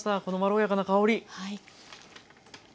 このまろやかな香り！